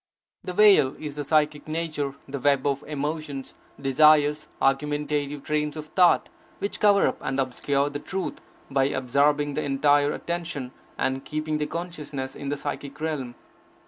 The veil is the psychic nature, the web of emotions, desires, argumentative trains of thought, which cover up and obscure the truth by absorbing the entire attention and keeping the consciousness in the psychic realm.